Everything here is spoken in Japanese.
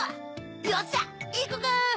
よっしゃいこか！